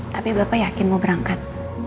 tapi bapak yakin mau berangkat